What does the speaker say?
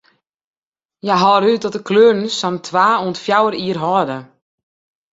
Hja hâlde út dat de kleuren sa'n twa oant fjouwer jier hâlde.